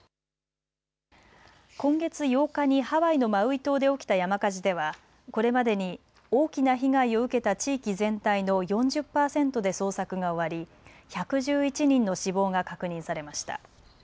今月８日にハワイのマウイ島で起きた山火事ではこれまでに大きな被害を受けた地域全体の４０％で捜索が終わり１１１人の死亡が確認されました。